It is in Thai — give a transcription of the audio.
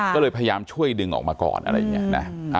ก็เลยพยายามช่วยดึงออกมาก่อนอะไรอย่างนี้นะ